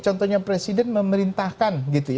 contohnya presiden memerintahkan